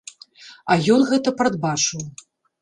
А ён гэта прадбачыў.